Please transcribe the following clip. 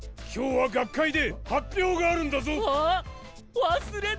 今日は学会で発表があるんだぞ。